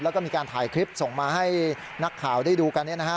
แล้วก็มีการถ่ายคลิปส่งมาให้นักข่าวได้ดูกัน